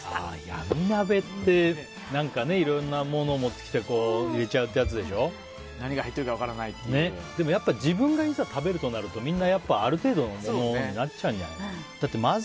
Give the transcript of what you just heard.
闇鍋っていろんなものを持ってきて何が入ってるかでも自分がいざ食べるとなるとみんな、ある程度のものになっちゃうんじゃない？